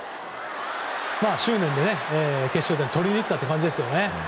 執念で決勝点を取りにいった感じですね。